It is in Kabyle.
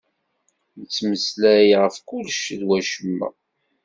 Nettmeslay ɣef kullec d wacemma.